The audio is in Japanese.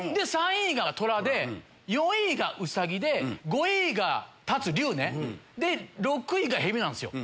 ３位がトラで４位がウサギで５位が龍ねで６位がヘビなんすよ。